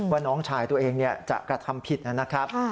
ว่าน้องชายตัวเองจะกระทำผิดนะครับ